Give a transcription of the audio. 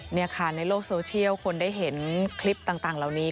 นี่ค่ะในโลกโซเชียลคนได้เห็นคลิปต่างเหล่านี้